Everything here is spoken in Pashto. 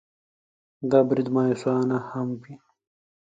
دا برید مأیوسانه هم وي.